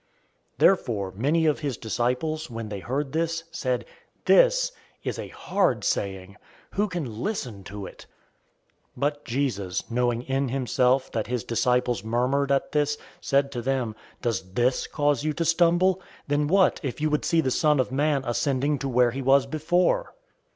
006:060 Therefore many of his disciples, when they heard this, said, "This is a hard saying! Who can listen to it?" 006:061 But Jesus knowing in himself that his disciples murmured at this, said to them, "Does this cause you to stumble? 006:062 Then what if you would see the Son of Man ascending to where he was before?